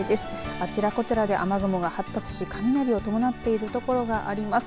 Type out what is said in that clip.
あちらこちらで雨雲が発達し雷を伴っている所があります。